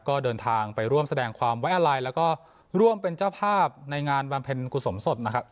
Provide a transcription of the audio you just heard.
ก็เดินทางไปร่วมแสดงความไว้อาลัยแล้วก็ร่วมเป็นเจ้าภาพในงานบำเพ็ญกุศลศพนะครับ